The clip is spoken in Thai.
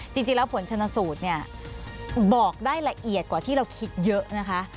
จริงแล้วผลชนสูตรเนี่ยบอกได้ละเอียดกว่าที่เราคิดเยอะนะคะ